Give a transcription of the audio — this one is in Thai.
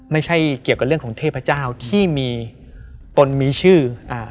ไม่ใช่เกี่ยวกับเรื่องของเทพเจ้าที่มีตนมีชื่ออ่า